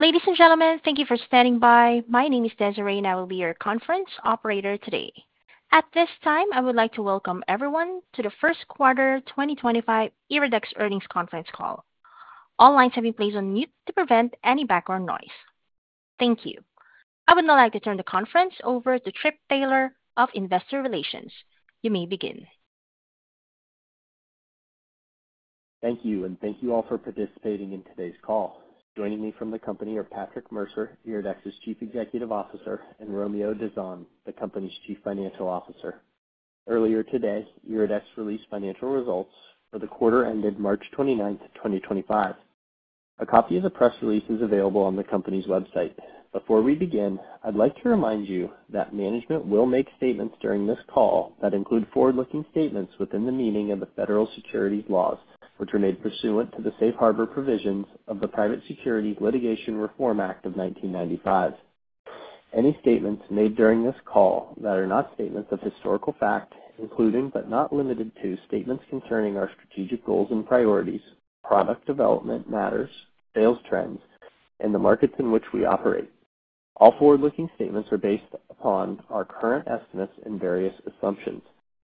Ladies and gentlemen, thank you for standing by. My name is Desiree, and I will be your conference operator today. At this time, I would like to welcome everyone to the first quarter 2025 Iridex earnings conference call. All lines have been placed on mute to prevent any background noise. Thank you. I would now like to turn the conference over to Trip Taylor of Investor Relations. You may begin. Thank you, and thank you all for participating in today's call. Joining me from the company are Patrick Mercer, Iridex's Chief Executive Officer, and Romeo Dizon, the company's Chief Financial Officer. Earlier today, Iridex released financial results for the quarter ended March 29, 2025. A copy of the press release is available on the company's website. Before we begin, I'd like to remind you that management will make statements during this call that include forward-looking statements within the meaning of the federal securities laws, which are made pursuant to the safe harbor provisions of the Private Securities Litigation Reform Act of 1995. Any statements made during this call that are not statements of historical fact, including but not limited to statements concerning our strategic goals and priorities, product development matters, sales trends, and the markets in which we operate. All forward-looking statements are based upon our current estimates and various assumptions.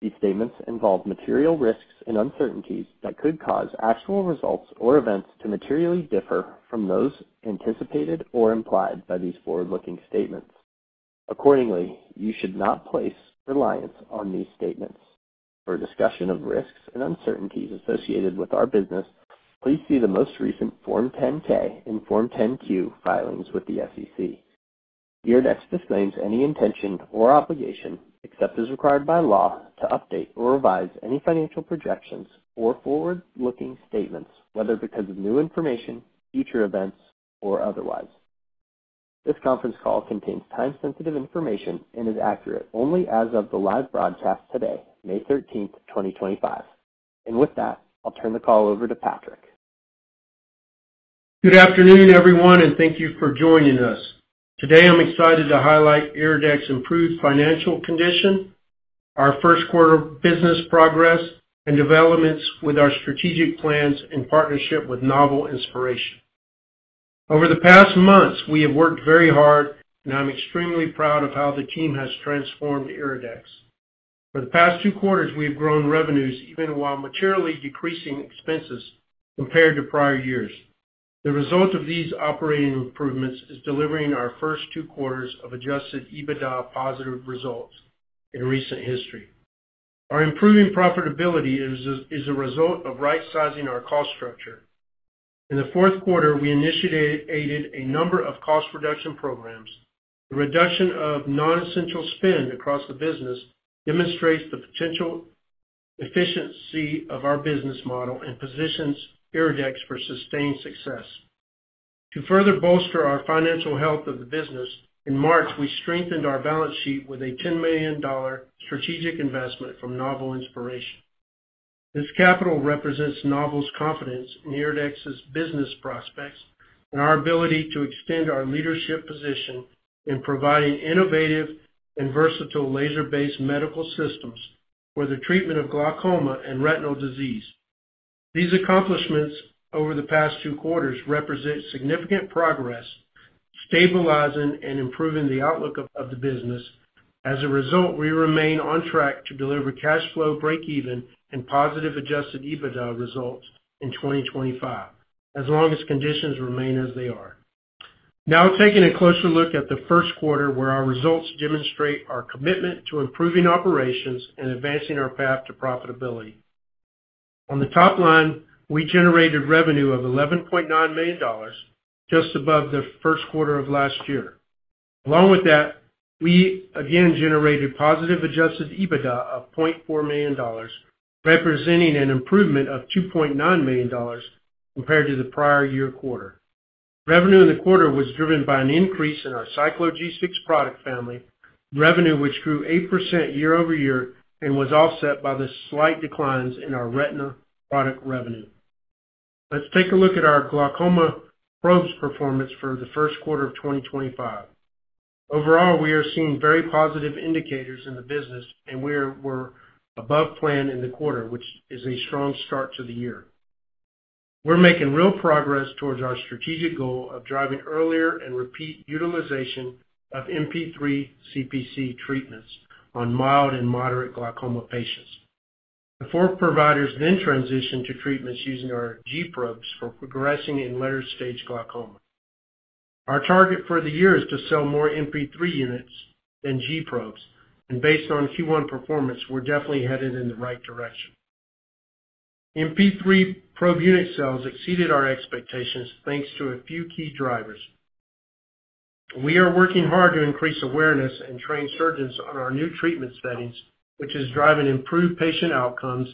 These statements involve material risks and uncertainties that could cause actual results or events to materially differ from those anticipated or implied by these forward-looking statements. Accordingly, you should not place reliance on these statements. For discussion of risks and uncertainties associated with our business, please see the most recent Form 10-K and Form 10-Q filings with the SEC. Iridex disclaims any intention or obligation, except as required by law, to update or revise any financial projections or forward-looking statements, whether because of new information, future events, or otherwise. This conference call contains time-sensitive information and is accurate only as of the live broadcast today, May 13, 2025. With that, I'll turn the call over to Patrick. Good afternoon, everyone, and thank you for joining us. Today, I'm excited to highlight Iridex's improved financial condition, our first quarter business progress, and developments with our strategic plans in partnership with Novel Inspiration. Over the past months, we have worked very hard, and I'm extremely proud of how the team has transformed Iridex. For the past two quarters, we have grown revenues even while materially decreasing expenses compared to prior years. The result of these operating improvements is delivering our first two quarters of adjusted EBITDA positive results in recent history. Our improving profitability is a result of right-sizing our cost structure. In the fourth quarter, we initiated a number of cost reduction programs. The reduction of non-essential spend across the business demonstrates the potential efficiency of our business model and positions Iridex for sustained success. To further bolster our financial health of the business, in March, we strengthened our balance sheet with a $10 million strategic investment from Novel Inspiration. This capital represents Novel's confidence in Iridex's business prospects and our ability to extend our leadership position in providing innovative and versatile laser-based medical systems for the treatment of glaucoma and retinal disease. These accomplishments over the past two quarters represent significant progress, stabilizing and improving the outlook of the business. As a result, we remain on track to deliver cash flow break-even and positive adjusted EBITDA results in 2025, as long as conditions remain as they are. Now, taking a closer look at the first quarter, where our results demonstrate our commitment to improving operations and advancing our path to profitability. On the top line, we generated revenue of $11.9 million, just above the first quarter of last year. Along with that, we again generated positive adjusted EBITDA of $0.4 million, representing an improvement of $2.9 million compared to the prior year quarter. Revenue in the quarter was driven by an increase in our Cyclo G6 product family, revenue which grew 8% year-over-year and was offset by the slight declines in our retina product revenue. Let's take a look at our glaucoma probes performance for the first quarter of 2025. Overall, we are seeing very positive indicators in the business, and we were above plan in the quarter, which is a strong start to the year. We're making real progress towards our strategic goal of driving earlier and repeat utilization of MP3 CPC treatments on mild and moderate glaucoma patients. The four providers then transitioned to treatments using our G- Probes for progressing in later stage glaucoma. Our target for the year is to sell more MP3 units than G-Probes, and based on Q1 performance, we're definitely headed in the right direction. MP3 probe unit sales exceeded our expectations thanks to a few key drivers. We are working hard to increase awareness and train surgeons on our new treatment settings, which is driving improved patient outcomes.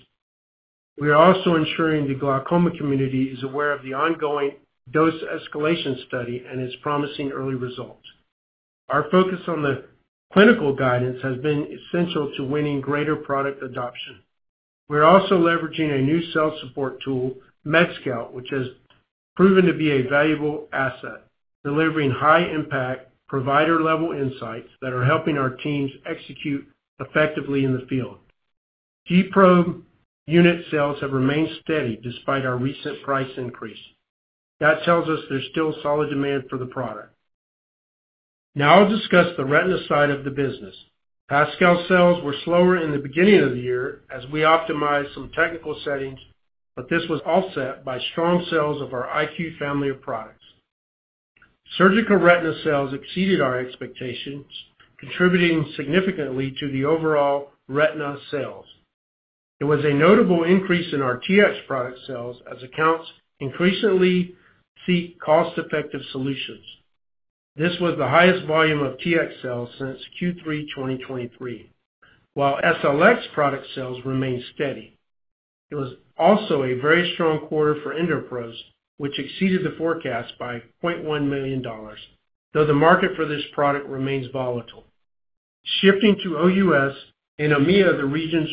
We are also ensuring the glaucoma community is aware of the ongoing dose escalation study and its promising early results. Our focus on the clinical guidance has been essential to winning greater product adoption. We're also leveraging a new sales support tool, MedScout, which has proven to be a valuable asset, delivering high-impact provider-level insights that are helping our teams execute effectively in the field. G-Probe unit sales have remained steady despite our recent price increase. That tells us there's still solid demand for the product. Now, I'll discuss the retina side of the business. PASCAL sales were slower in the beginning of the year as we optimized some technical settings, but this was offset by strong sales of our IQ family of products. Surgical retina sales exceeded our expectations, contributing significantly to the overall retina sales. It was a notable increase in our TX product sales as accounts increasingly seek cost-effective solutions. This was the highest volume of TX sales since Q3 2023, while SLX product sales remained steady. It was also a very strong quarter for EndoProbes, which exceeded the forecast by $0.1 million, though the market for this product remains volatile. Shifting to OUS and EMEA, the region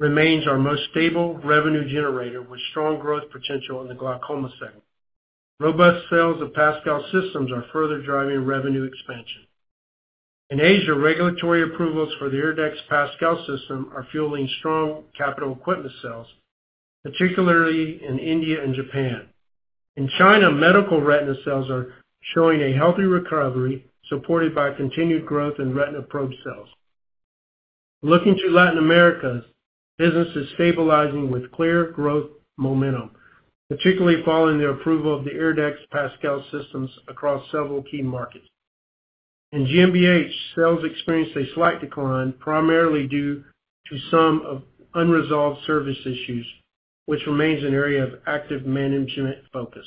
remains our most stable revenue generator with strong growth potential in the glaucoma segment. Robust sales of PASCAL systems are further driving revenue expansion. In Asia, regulatory approvals for the Iridex PASCAL system are fueling strong capital equipment sales, particularly in India and Japan. In China, medical retina sales are showing a healthy recovery supported by continued growth in retina probe sales. Looking to Latin America, business is stabilizing with clear growth momentum, particularly following the approval of the Iridex PASCAL systems across several key markets. In EMEA, sales experienced a slight decline, primarily due to some unresolved service issues, which remains an area of active management focus.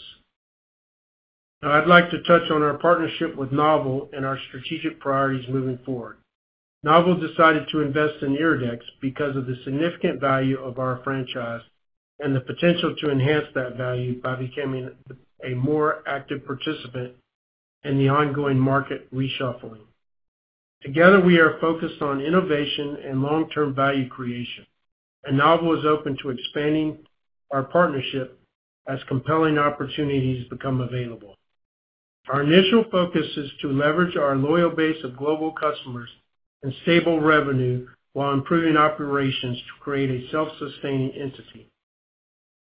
Now, I'd like to touch on our partnership with Novel and our strategic priorities moving forward. Novel decided to invest in Iridex because of the significant value of our franchise and the potential to enhance that value by becoming a more active participant in the ongoing market reshuffling. Together, we are focused on innovation and long-term value creation, and Novel is open to expanding our partnership as compelling opportunities become available. Our initial focus is to leverage our loyal base of global customers and stable revenue while improving operations to create a self-sustaining entity.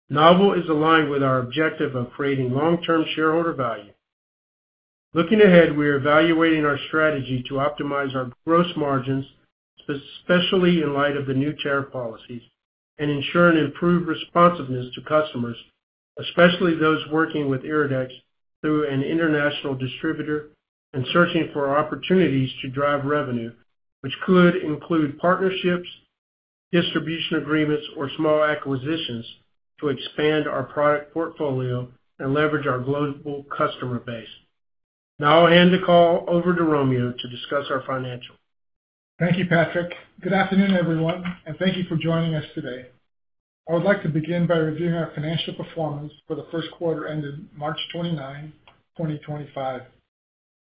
Novel is aligned with our objective of creating long-term shareholder value. Looking ahead, we are evaluating our strategy to optimize our gross margins, especially in light of the new tariff policies, and ensure an improved responsiveness to customers, especially those working with Iridex through an international distributor and searching for opportunities to drive revenue, which could include partnerships, distribution agreements, or small acquisitions to expand our product portfolio and leverage our global customer base. Now, I'll hand the call over to Romeo to discuss our financial. Thank you, Patrick. Good afternoon, everyone, and thank you for joining us today. I would like to begin by reviewing our financial performance for the first quarter ended March 29, 2025.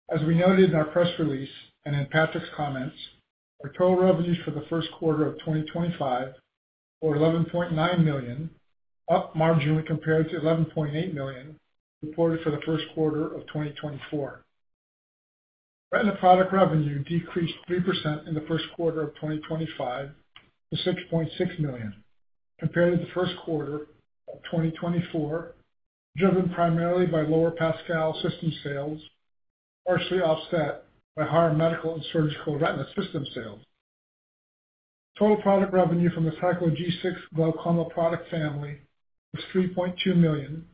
As we noted in our press release and in Patrick's comments, our total revenues for the first quarter of 2025 were $11.9 million, up marginally compared to $11.8 million reported for the first quarter of 2024. Retina product revenue decreased 3% in the first quarter of 2025 to $6.6 million compared to the first quarter of 2024, driven primarily by lower PASCAL system sales, partially offset by higher medical and surgical retina system sales. Total product revenue from the Cyclo G6 glaucoma product family was $3.2 million,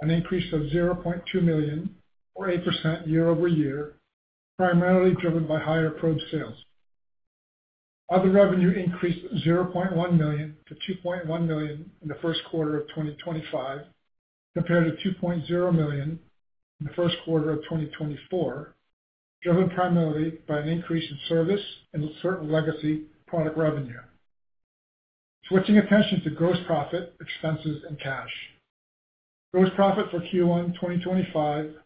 an increase of $0.2 million, or 8% year-over-year, primarily driven by higher probe sales. Other revenue increased $0.1 million-$2.1 million in the first quarter of 2025 compared to $2.0 million in the first quarter of 2024, driven primarily by an increase in service and a certain legacy product revenue. Switching attention to gross profit, expenses, and cash. Gross profit for Q1 2025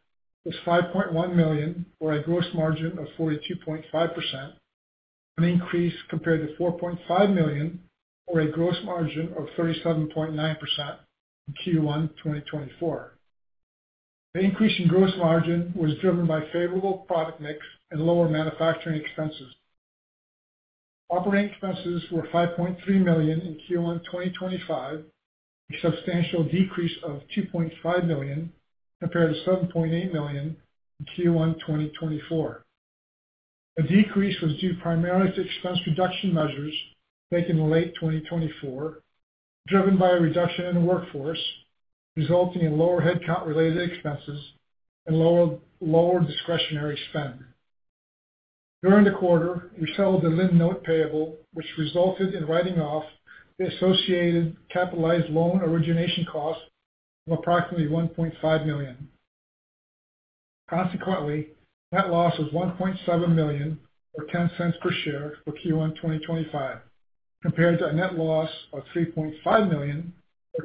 was $5.1 million, or a gross margin of 42.5%, an increase compared to $4.5 million, or a gross margin of 37.9% in Q1 2024. The increase in gross margin was driven by favorable product mix and lower manufacturing expenses. Operating expenses were $5.3 million in Q1 2025, a substantial decrease of $2.5 million compared to $7.8 million in Q1 2024. The decrease was due primarily to expense reduction measures taken in late 2024, driven by a reduction in workforce, resulting in lower headcount-related expenses and lower discretionary spend. During the quarter, we settled a limb note payable, which resulted in writing off the associated capitalized loan origination cost of approximately $1.5 million. Consequently, net loss was $1.7 million, or $0.10 per share for Q1 2025, compared to a net loss of $3.5 million,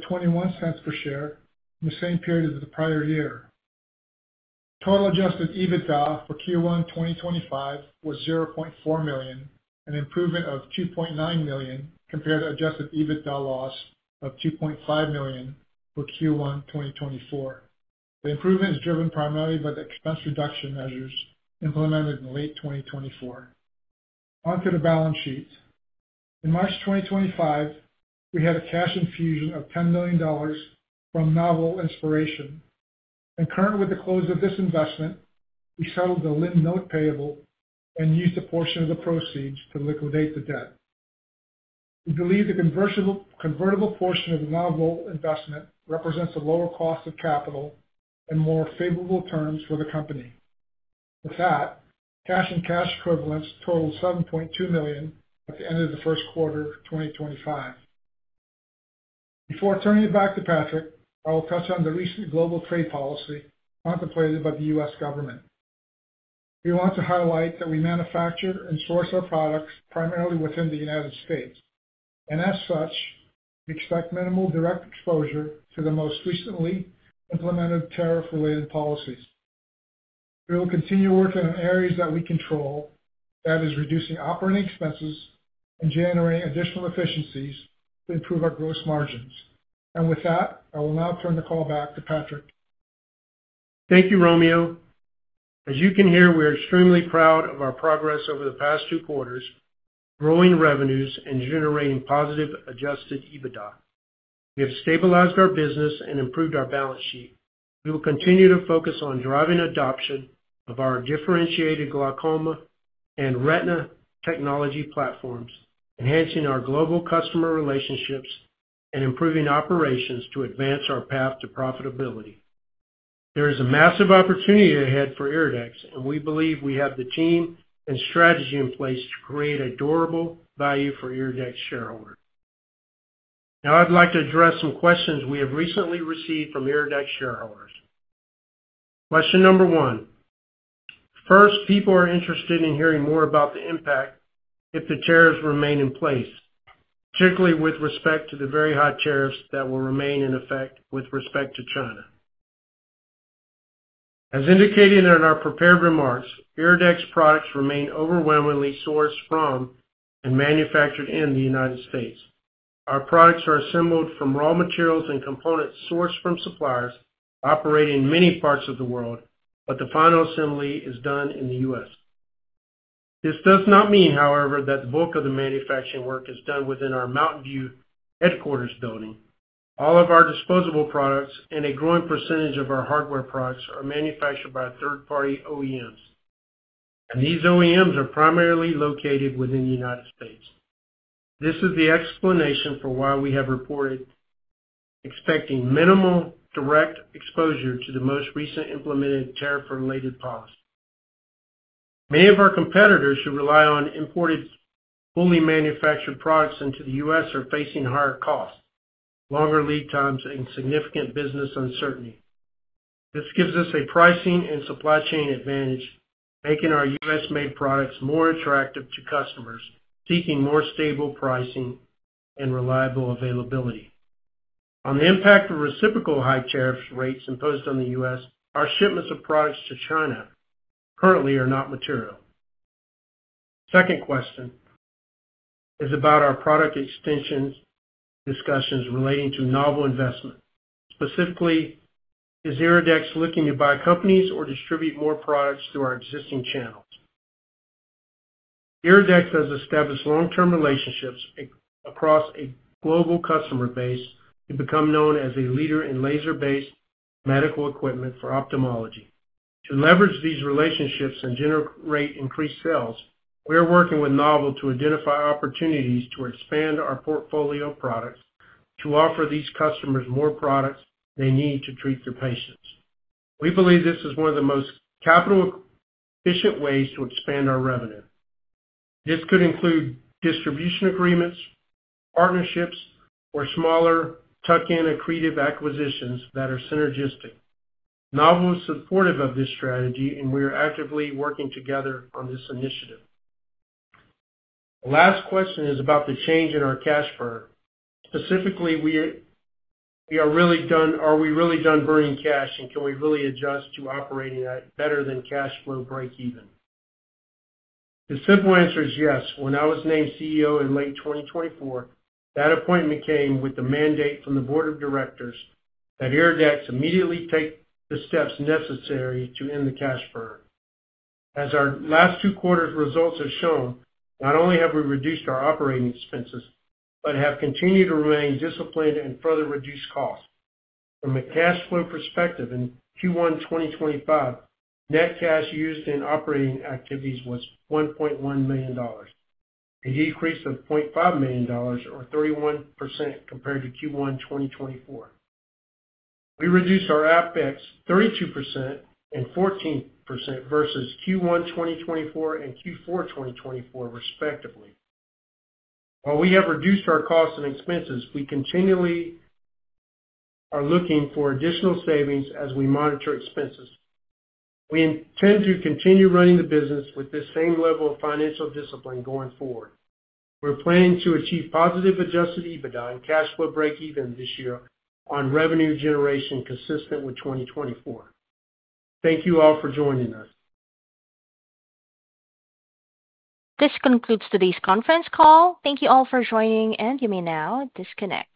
or $0.21 per share in the same period as the prior year. Total adjusted EBITDA for Q1 2025 was $0.4 million, an improvement of $2.9 million compared to adjusted EBITDA loss of $2.5 million for Q1 2024. The improvement is driven primarily by the expense reduction measures implemented in late 2024. Onto the balance sheet. In March 2025, we had a cash infusion of $10 million from Novel Inspiration. Current with the close of this investment, we settled the limb note payable and used a portion of the proceeds to liquidate the debt. We believe the convertible portion of the Novel investment represents a lower cost of capital and more favorable terms for the company. With that, cash and cash equivalents totaled $7.2 million at the end of the first quarter of 2025. Before turning it back to Patrick, I will touch on the recent global trade policy contemplated by the U.S. government. We want to highlight that we manufacture and source our products primarily within the United States, and as such, we expect minimal direct exposure to the most recently implemented tariff-related policies. We will continue working in areas that we control, that is, reducing operating expenses and generating additional efficiencies to improve our gross margins. With that, I will now turn the call back to Patrick. Thank you, Romeo. As you can hear, we are extremely proud of our progress over the past two quarters, growing revenues and generating positive adjusted EBITDA. We have stabilized our business and improved our balance sheet. We will continue to focus on driving adoption of our differentiated glaucoma and retina technology platforms, enhancing our global customer relationships and improving operations to advance our path to profitability. There is a massive opportunity ahead for Iridex, and we believe we have the team and strategy in place to create a durable value for Iridex shareholders. Now, I'd like to address some questions we have recently received from Iridex shareholders. Question number one. First, people are interested in hearing more about the impact if the tariffs remain in place, particularly with respect to the very high tariffs that will remain in effect with respect to China. As indicated in our prepared remarks, Iridex products remain overwhelmingly sourced from and manufactured in the United States. Our products are assembled from raw materials and components sourced from suppliers operating in many parts of the world, but the final assembly is done in the U.S. This does not mean, however, that the bulk of the manufacturing work is done within our Mountain View headquarters building. All of our disposable products and a growing percentage of our hardware products are manufactured by third-party OEMs, and these OEMs are primarily located within the United States. This is the explanation for why we have reported expecting minimal direct exposure to the most recent implemented tariff-related policy. Many of our competitors who rely on imported fully manufactured products into the U.S. are facing higher costs, longer lead times, and significant business uncertainty. This gives us a pricing and supply chain advantage, making our U.S.-made products more attractive to customers seeking more stable pricing and reliable availability. On the impact of reciprocal high tariff rates imposed on the U.S., our shipments of products to China currently are not material. Second question is about our product extension discussions relating to Novel investment. Specifically, is Iridex looking to buy companies or distribute more products through our existing channels? Iridex has established long-term relationships across a global customer base to become known as a leader in laser-based medical equipment for ophthalmology. To leverage these relationships and generate increased sales, we are working with Novel to identify opportunities to expand our portfolio of products to offer these customers more products they need to treat their patients. We believe this is one of the most capital-efficient ways to expand our revenue. This could include distribution agreements, partnerships, or smaller tuck-in accretive acquisitions that are synergistic. Novel is supportive of this strategy, and we are actively working together on this initiative. The last question is about the change in our cash burn. Specifically, are we really done burning cash, and can we really adjust to operating better than cash flow break-even? The simple answer is yes. When I was named CEO in late 2024, that appointment came with the mandate from the board of directors that Iridex immediately take the steps necessary to end the cash burn. As our last two quarters' results have shown, not only have we reduced our operating expenses, but have continued to remain disciplined and further reduce costs. From a cash flow perspective, in Q1 2025, net cash used in operating activities was $1.1 million, a decrease of $0.5 million, or 31% compared to Q1 2024. We reduced our OpEx 32% and 14% versus Q1 2024 and Q4 2024, respectively. While we have reduced our costs and expenses, we continually are looking for additional savings as we monitor expenses. We intend to continue running the business with this same level of financial discipline going forward. We're planning to achieve positive adjusted EBITDA and cash flow break-even this year on revenue generation consistent with 2024. Thank you all for joining us. This concludes today's conference call. Thank you all for joining, and you may now disconnect.